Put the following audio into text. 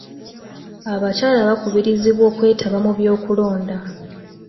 Abakyala bakubirizibwa okwetaba mu by'okulonda.